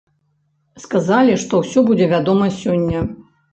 Сказалі, што ўсё будзе вядома сёння.